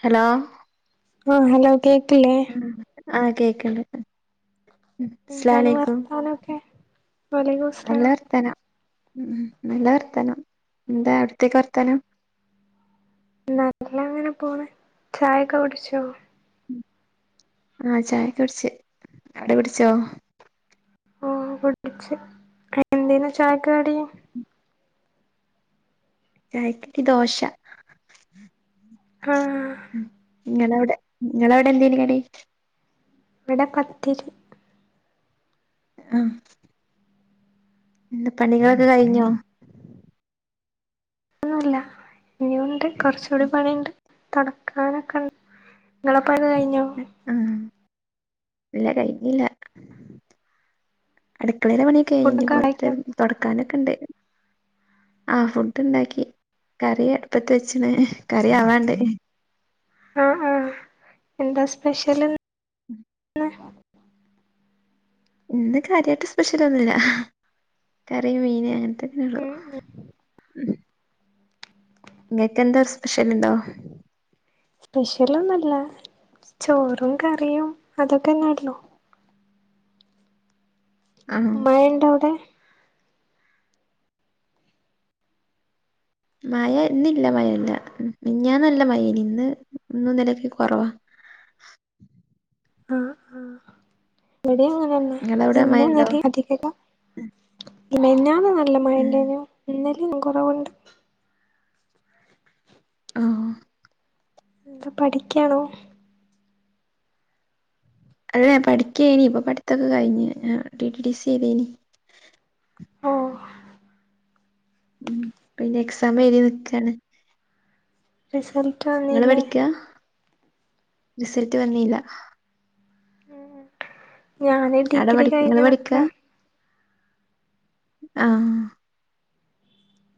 Hello ആ hello കേക്കലേ ആ കേക്കണ് അസ്സലാമു എന്താണ് അലൈക്കും വർത്താനൊക്കെ വലൈക്കും നല്ല സ്ലാം വർത്താനം മം നല്ല വർത്തനം എന്താ അവിടത്തേക്ക് വർത്തനം നല്ല അങ്ങനെ പോണ് ചായൊക്കെ കുടിച്ചോ ആ ചായക്ക കുടിച്ച് അവിടെ കുടിച്ചോ ഓ കുടിച്ച് എന്താന് ചായക്ക് കടി ചായക്ക് ദോശ ആ മം നിങ്ങൾ അവിടെ നിങ്ങളവിടെ എന്തോന് കടി ഇവിടെ പത്തിരി ആ എന്ത പണികളൊക്കെ കഴിഞ്ഞോ ഒന്നുല്ല ഇനിയുമുണ്ട് കൊറച്ചു കൂടി പണിയുണ്ട് തുടക്കാനൊക്കെ ണ്ട് നിങ്ങളെ പണി കഴിഞ്ഞോ ഉം ഇല്ല കഴിഞ്ഞില്ല അടുക്കളയില പണിയൊക്കെ കഴിഞ്ഞ് ഫുഡൊക്കെ പുറത്തെ ഉണ്ടാക്കിയോ തുൊടക്കാനൊക്കെ ഉണ്ട് ആ ഫുഡ് ഉണ്ടാക്കി കറി അടുപ്പത്ത് വെച്ചണ് കറി ആവാണ്ട് ആ ആ എന്താ സ്പെഷ്യൽ മം ഇന്ന് കാര്യായിട്ട് സ്പെഷ്യൽ ഒന്നുമില്ല കറി മീന് അങ്ങനത്തെനെയള്ളു മം ഇങ്ങൾക്ക് എന്താ ഒരു സ്പെഷ്യൽ ഇണ്ടോ സ്പെഷ്യലൊന്നും ഇല്ല ചോറും കറിയും അതൊക്കെന്നെ ആയിട്ടുള്ളൂ ആഹ് മഴ ഉണ്ടോ അവിടെ മഴ ഇന്നില്ല മഴ ഇല്ല മിനിഞ്ഞാന്ന് നല്ല മഴയേനി ഇന്നും ഇന്നലെയും കുറവാ ആ ആ ഇവിടെയും അങ്ങനെന്നെ നിങ്ങളവിടെ ഇന്നും മഴയുണ്ടോ ഇന്നലെയും അധികം ഇല്ല മിനിഞ്ഞാന്ന് നല്ല ഉം മഴണ്ടായിരുന്നു ഇന്നലെയും കുറവുണ്ട് ആഹ് പഠിക്കാണോ അല്ല പഠിക്കേനി ഇപ്പൊ പഠിത്തൊക്കെ കഴിഞ്ഞ് ടി ടി സി എയ്നി ഓ ഉം പിന്നെ എക്സാം എഴുതി നിക്കുകയാണ് റിസൽട്ട് നിങ്ങള് പഠിക്ക റിസൽട്ട് വന്നില്ലാ ഞാന് എവിടെ ഡിഗ്രി പഠിക്ക നിങ്ങള് കഴിഞ്ഞ് പഠിക്ക നിക്കാ ആഹ്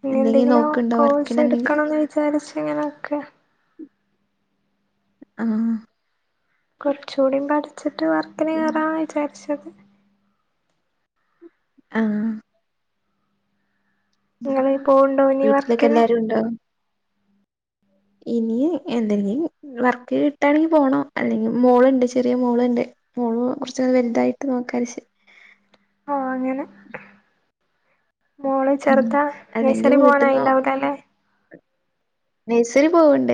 പിന്നെ എന്തെങ്കിലും എന്തെങ്കിലോ നോക്ക്ണ്ടോ കോഴ്സ് വർക്കിന് എന്തെങ്കിലും എടുക്കണംന്ന് വിചാരിച്ച് ഇങ്ങനെ നിക്കാ ആഹ് കുറച്ച് കൂടി പഠിച്ചിട്ട് വർക്കിന് കയറാന്ന് വിചാരിച്ചത് ആഹ് ഇങ്ങള് പോവ്ണ്ടോ ഇഞ്ഞി വർക്കിന് ഉണ്ട് ഇനി എന്തെങ്കിലും വർക്ക് കിട്ടാണെങ്കി പോണം അല്ലെങ്കിൽ മോൾണ്ട് ചെറിയ മോൾണ്ട് മോളു കുറച്ച് വലുതായിട്ട് നോക്കാന്ന് വിചാരിച്ച് ആഹ് അങ്ങനെ മോള് ഉം ചെറുതാ അല്ലെങ്കി നഴ്സറി വീട്ടിൽന്നോ പോവാനായിണ്ടാവൂലലെ നഴ്സറി പോവ്ണ്ട്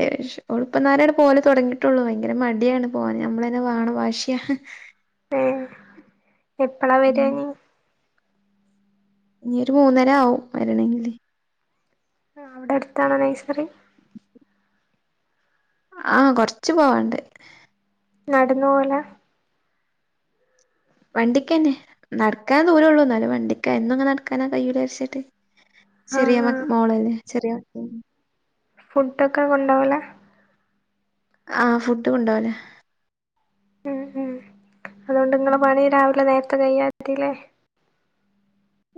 ഓള് ഇപ്പന്നാരെ പോവൽ തുടങ്ങിയിട്ടുള്ളു ഭയങ്കര മടിയാണ് പോവാൻ നമ്മൾ തന്നെ വാണം വാശി യാഹ് ഏഹ് എപ്പളാ വരാ ഉം ഇഞ്ഞി ഇനി ഒരു മൂന്നര ആവും വരണമെങ്കില് ആഹ് അവിടെ എടുത്താണോ നെഴ്സറി ആഹ് കൊറച്ച് പോവാണ്ട് നടന്ന് പോവലാ വണ്ടിക്കന്നെ നടക്കാൻ ദൂര ഉള്ളൂ എന്നാലും വണ്ടിക്കാ എന്നും നടക്കാൻ കഴിയില്ല വിചാരിച്ച്ട്ട് ആ ചെറിയ ആ മോൾലേ ചെറിയ മക്കൾ ഫുഡ് ഒക്കെ കൊണ്ടോവല ആഹ് ഫുഡ് കൊണ്ടോവലാ ഉം ഉം അതുകൊണ്ട് ഇങ്ങളെ ഉം പണി രാവിലെ നേരത്തെ കഴിയാൻ മതിലെ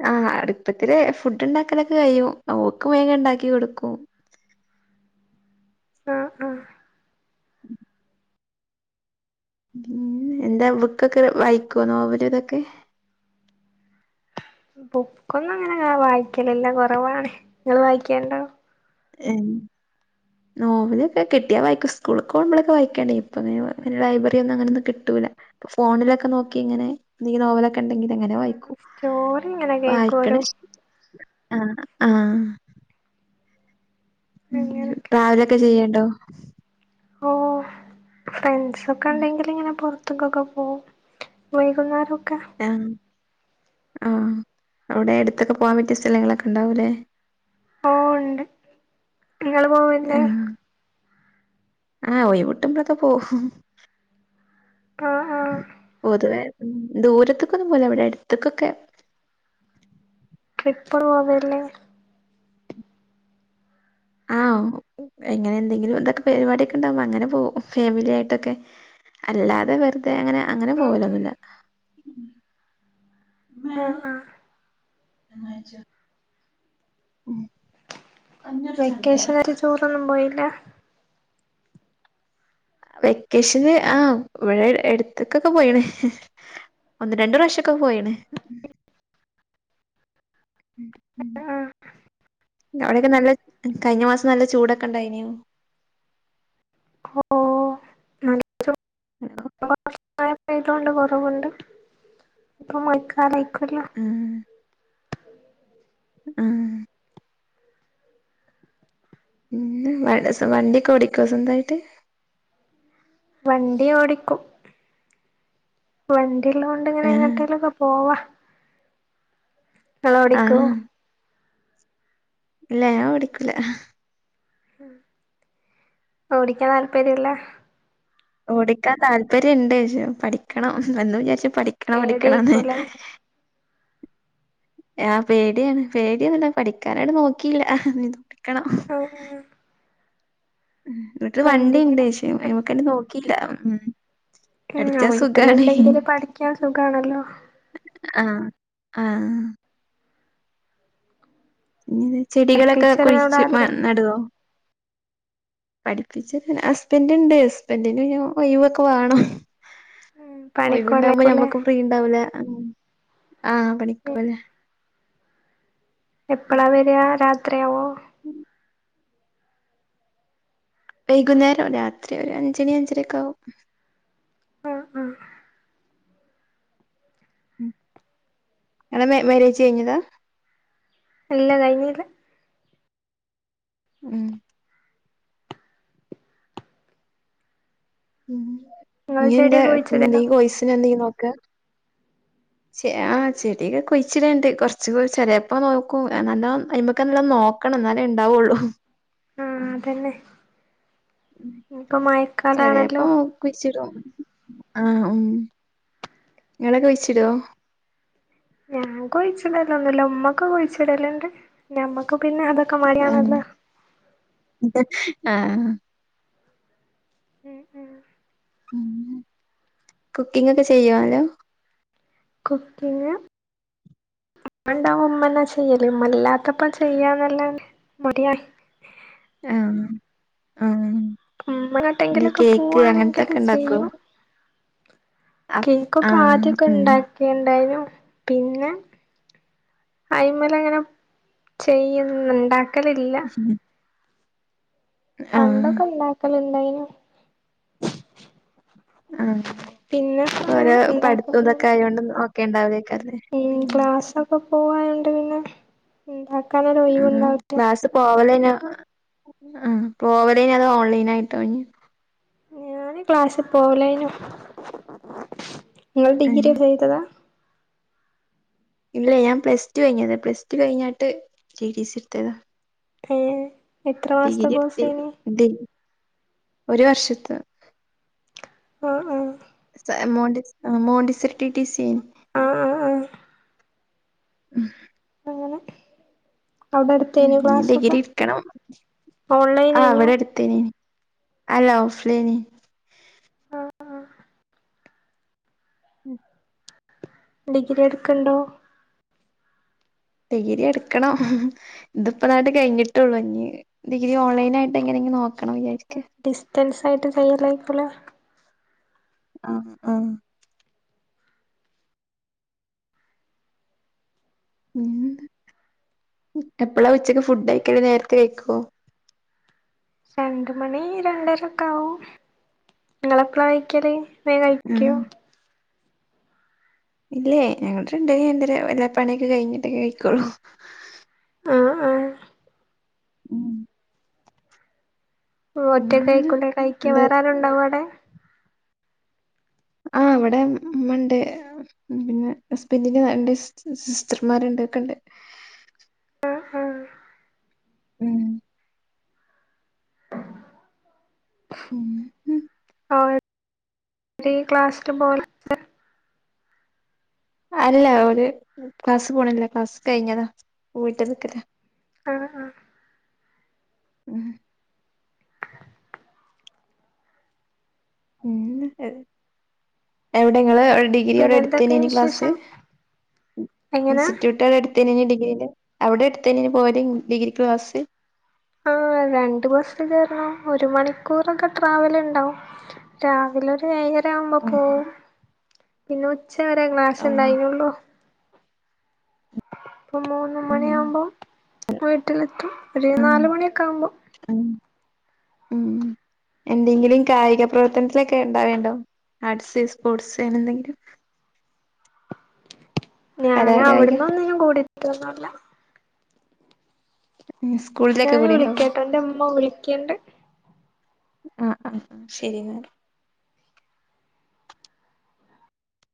ആഹ് അടുപ്പത്തില് ഫുഡ് ഉണ്ടാക്കലൊക്കെ കഴിയും ഓക്ക് വേഗം ഇണ്ടാക്കി കൊടുക്കും ആഹ് ആഹ് [inaudible] ഉം എന്താ ബുക്കൊക്കെ വായിക്കുവോ നോവല് ഇതൊക്കെ ബുക്കൊന്നും അങ്ങനെ വായിക്കലില്ല കുറവാണ് ഇങ്ങള് വായിക്കേണ്ടോ ഉം നോവൽ ഒക്കെ കിട്ടിയാ വായിക്കും സ്കൂൾക്ക് പോകുമ്പോളൊക്കെ വായിക്കേണ്ടയ്നി ഇപ്പൊ പിന്നെ ലൈബ്രറി ഒന്നും അങ്ങനൊന്നും കിട്ടൂല ഫോണിലൊക്കെ നോക്കി ഇങ്ങനെ എന്തെങ്കിലും നോവലൊക്കെ ഉണ്ടെങ്കിൽ അങ്ങനെ വായിക്കും സ്റ്റോറി ഇങ്ങനെ വായിക്കണ കേക്കോരോ ഇഷ് ആഹ് ആഹ് ഉം അങ്ങനൊക്കെ ട്രാവലൊക്കെ ചെയ്യേണ്ടോ ഓഹ് ഫ്രണ്ട്സ് ഒക്കെ ഉണ്ടെങ്കിൽ ഇങ്ങനെ പൊറത്ത് പുറത്ത്ക്കൊക്കെ പോവും വൈകുന്നേരൊക്കെ ആഹ് ആഹ് അവിടെ അടുത്തൊക്കെ പോകാൻ പറ്റിയ സ്ഥലങ്ങളൊക്കെ ഇണ്ടാവൂല്ലേ ഓ ഉണ്ട് ങ്ങള് പോവലില്ലേ ആഹ് ആഹ് ഒഴ്വ്കിട്ടുമ്പളൊക്കെ പോവും ആഹ് പൊതുവേ ദൂരത്ത്ക്കൊന്നും പോവൂല ഇവിടെ അടുത്ത്ക്കൊക്കെ ട്രിപ്പ് പോവലില്ലേ ആഹ് എങ്ങനെ എന്തെങ്കിലും എന്തൊക്കെ പരിപാടി ഒക്കെ ഉണ്ടാവുമ്പോ അങ്ങനെ പോവും ഫാമിലി ആയിട്ടൊക്കെ അല്ലാതെ വെറുതെ അങ്ങനെ അങ്ങനെ പോവലൊന്നുല്ല ആ ആ മ് ഉം വെക്കേഷൻ ആയിട്ട് ടൂറൊന്നും പോയില്ല വെക്കേഷന് ആഹ് ഇവിടെ എടുത്ത്ക്കൊക്കെ പോയിണ് ഒന്ന് രണ്ടു പ്രാവശ്യക്കെ പോയിണ് [inaudible] ഉം ഉം ആ അവിടെയൊക്കെ നല്ല കഴിഞ്ഞ മാസം നല്ല ചൂടൊക്കെ ഉണ്ടായിനോ? ഓ നല്ല ഹലോ [unintelligible] കുറവുണ്ട് ഇപ്പൊ മഴക്കാലം [unintelligible] ആഹ് ആഹ് ഉം [unintelligible] വണ്ടിയൊക്കെ ഓടിക്കോ സ്വന്തായിട്ട് വണ്ടി ഓടിക്കും വണ്ടി ഉള്ളോണ്ട് ഇങ്ങനെ ആഹ് എങ്ങോട്ടേലൊക്കെ പോവാ ഇങ്ങള് ഓടിക്കോ ആഹ് ഇല്ല ഞാൻ ഓടിക്കൂല ഓടിക്കാൻ താല്പര്യല്ല ഓടിക്കാൻ താല്പര്യണ്ട് പക്ഷെ പഠിക്കണം എന്നും വിചാരിച്ചും പഠിക്കണം പഠിക്കണംന്ന് പേടിയായിക്കൂലേ ആഹ് പേടിയാണ് പേടിയാണ് പഠിക്കാനായിട്ട് നോക്കിയില്ല [unintelligible] പഠിക്കണം [inaudible] വീട്ടില് വണ്ടി ഇണ്ട് പക്ഷെ അയ്മ്മക്കണ് നോക്കിയില്ല ഉം ഉം പഠിച്ചാ വീട്ടിൽ സുഖാണ് ഇണ്ടെങ്കിൽ പഠിക്കാൻ സുഖാണല്ലോ ആഹ് ആഹ് പിന്നെന്താ ചെടികളൊക്കെ പഠിപ്പിച്ചരാൻ അവിടെ കുഴിച്ച് മ ആരുല്ലേ നടുവോ പഠിപ്പിച്ചിട്ടില്ല ഹസ്ബന്റുണ്ട് ഹസ്ബന്റിന് ഒഴിവൊക്കെ വാണം ഉം ഒഴിവ്ണ്ടാകുമ്പോ പണിക്കോലാക്കൂലേ ഞമ്മക്ക് ഫ്രീ ഉണ്ടാവൂല ആഹ് പണിക്ക്‌ ഉം പോകല്ലേ എപ്പളാ വരാ രാത്രിയാവോ [inaudible] വൈകുന്നേരം രാത്രി ഒരു അഞ്ചണി അഞ്ചര ഒക്കെ ആവും ആഹ് ആഹ് ഉം ഇങ്ങളെ മേ മേരേജ് കഴിഞ്ഞതാ ഇല്ല കഴിഞ്ഞീല ഉം ഉം ഇങ്ങള് ഇനി എന്താ ചെടിയൊക്കെ എന്തെ കുഴിച്ചിടണ്ടോ കോഴ്സിന് എന്തെലും നോക്കാ ചെ ആഹ് ചെടിയൊക്കെ കുഴിച്ചിടേണ്ട് കൊർച്ച് [unintelligible] ചേലേപ്പം നോക്കും നല്ലോ അയ്മകന്നെ നല്ല നോ ക്കണം എന്നാലേ ഇണ്ടാവൊള്ളൂ ഉം തന്നെ മഴക്കാലാണല്ലോ ചെലേപ്പം നോ കുയ്ച്ചിടൊ ആഹ് ആഹ് നിങ്ങളൊക്കെ കുയ്ച്ചിടോ ഞാൻ കുഴിച്ചിടലൊന്നുല്ല ഉമ്മക്ക് കുഴിച്ചിടല്ണ്ട് ഞമ്മക്ക് പിന്നെ അതൊക്കെ മടിയാണല്ലോ ആഹ് ഉം ഉം കുക്കിംങ്‌ ഒക്കെ ചെയ്യോ നല്ലോ കുക്കിംങ് ഉമ്മ ഇണ്ടാവുമ്പ ഉമ്മന്നെ ചെയ്യല് ഉമ്മല്ലാത്തപ്പ ചെയ്യാന്നല്ല മടിയായി ആഹ് ആഹ് ഉമ്മ എങ്ങോട്ടെങ്കിലൊക്കെ പോവാണെങ്കില് ഇണ്ടാക്കോ ചെയ്യും ആ കേക്കൊക്കെ ആദ്യൊക്കെ ഉം ഇണ്ടാക്കൽണ്ടായിരുന്നു പിന്നെ അയ്മലങ്ങനെ ചെയ്യും ഇണ്ടാക്കലില്ല [inaudible] ആ പണ്ടൊക്കെ ഉണ്ടാക്കല് ഇണ്ടായ്നു ആഹ് പിന്നെ ഓരോ അങ്ങനെ പട്ത്തു ഉണ്ടാക്കലൊന്നുല്ല ഇതൊക്കെ ആയോണ്ട് [unintelligible] അപ്പോ പോവാനുണ്ട് പിന്നെ ഉണ്ടാക്ക [unintelligible] ആഹ് ക്ലാസ്സി പോവലേനോ ആഹ് പോവലേതോ അതോഓൺലൈൻ ആയിട്ടേനിയോ ഞാന് ക്ലാസ്സിൽ പോവലേനിയു നിങ്ങൾ ഡിഗ്രി ഏഹ് ചെയ്തതാ ഇല്ല ഞാൻ പ്ലസ് ടു കഴിഞ്ഞത പ്ലസ് ടു കഴിഞ്ഞാട്ട് ടി ടി സി ഇട്ത്തതാ ഏഹ് ഡിഗ്രീ ഇട്ത്തി [unintelligible] ഒരു വർഷത്ത ആഹ് ആഹ് സ മോണ്ടി മോണ്ടിസർ ടി ടി സി ഏനി ആഹ് ആഹ് ആഹ് ഉം അങ്ങനെ അവിടെ എടുത്തേനോ ഇഞ്ഞ് ക്ലാസ്സൊക്കെ ഡിഗ്രി ഇട്ക്കണം ഓൺലൈനേനോ? തേനി അല്ല ഓഫ്‌ലൈൻ ആഹ് ആഹ് ഉം ഡിഗ്രി എടുക്കണ്ടോ? ഡിഗ്രി എടുക്കണം. ഇതിപ്പോം നാട്ട് കഴിഞ്ഞിട്ടുള്ളൂ ഇനി ഡിഗ്രീ ഓൺലൈൻായിട്ട്ങ്ങനെങ്കിലും നോക്കണം വിചാരിക്ക്ണ്ട്. ഡിസ്റ്റൻസ് ആയിട്ട് ചെയ്യലായിക്കുലെ? ആഹ് ആഹ് പിന്നെന്താ എപ്പഴാ ഉച്ചക്ക് ഫുഡ് കയിക്കല് നേരത്തെ കഴിക്കുവോ? രണ്ട് മണി രണ്ടേരൊക്കെ ആവും. നിങ്ങളപ്പളാ കഴിക്കല്? വേം ഉം കഴിക്കൊ? ഇല്ലേ ഞങ്ങള് രണ്ട് മണി രണ്ടര എല്ലാ പണിയൊക്കെ കഴിഞ്ഞിട്ടെ കഴിക്കോള്ളൂ. ആഹ് ആഹ് ഉം ഒറ്റ ഉം കൈക്കുലെ കൈക്ക എന്ത് വേറാരോണ്ടാവോ ആടെ? ആഹ് വടെമ്മണ്ട്. പിന്നെ ഹസ്ബൻഡിന്റെ രണ്ട് സിറ്റ് സിസ്റ്റർമാര്ണ്ട് ണ്ടൊക്കെണ്ട്. ആഹ് ആഹ് ഉം ഉം ഉം ഒര് ക്ലാസ്‌ലും പോവ് ല? അല്ല ഒരു ക്ലാസ് പോണില്ല ക്ലാസ്സ് കഴിഞ്ഞതാ പ്പോ വീട്ട് നിക്കല. ആഹ് ആഹ് ഉം പിന്നെന്താ എവിടെങ്ങള് ഡിഗ്രി ഡിഗ്രി പിന്നെ അവ്ടെ എന്തൊക്കെ എടുത്തന്നെയ്നി ക്ലാസ് വിശേഷം എങ്ങനാ ഇൻസ്റ്റിറ്റ്യൂട്ടവ്ടെട്ത്ത അടുത്ത നെയ്നി ഡിഗ്രി ന്റെ അവ്ടെ എട്ത്തന്നെയ്നി പോവല് ഡിഗ്രിക്ക് ക്ലാസ്? ആഹ് രണ്ട് ബസ് കേറണം ഒരു മണിക്കൂറൊക്കെ ട്രാവല് ണ്ടാവും. രാവിലെ ഒരു ഏയര ആവുമ്പോ ആഹ് പോവും. പിന്നെ ഉച്ച വരെ ക്ലാസ് ഓഹ് ഉണ്ടായ്നൊള്ളു. ഇപ്പൊ മൂന്ന് ഉം മണിയാവ്മ്പം വീട്ടിലെത്തും ഒരു ആഹ് നാല് മണിയൊക്കെ ആവ്മ്പം ഉം ഉം എന്തെങ്കിലും കായിക പ്രവർത്തനത്തിലൊക്കെ ണ്ടാവേണ്ടോ? ആർട്സ് സ്പോർട്സ് അങ്ങനെ ന്തെങ്കിലും? ഞാൻ കലാകായിക അവ്ട്ന്ന് ഒന്നിനും കൂടിട്ടോ ഒന്നൂല്ല. ഇഞ്ഞി സ്കൂള് ഞാന് വിളിക്കാട്ടോ ന്റെ ഇമ്മ വിളിക്ക്ണ്ട്. ആഹ് ആഹ് ആഹ് ശരി ന്നാല്